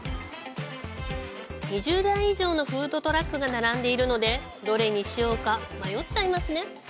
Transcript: ２０台以上のフードトラックが並んでいるのでどれにしようか迷っちゃいますね！